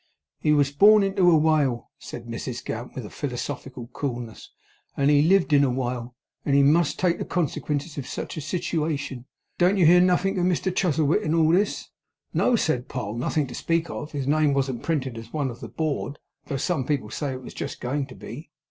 'He was born into a wale,' said Mrs Gamp, with philosophical coolness. 'and he lived in a wale; and he must take the consequences of sech a sitiwation. But don't you hear nothink of Mr Chuzzlewit in all this?' 'No,' said Poll, 'nothing to speak of. His name wasn't printed as one of the board, though some people say it was just going to be.